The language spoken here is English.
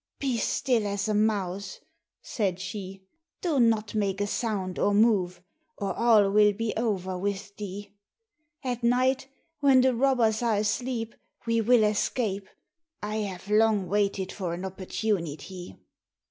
"Be as still as a mouse," said she, "do not make a sound, or move, or all will be over with thee. At night, when the robbers are asleep, we will escape; I have long waited for an opportunity."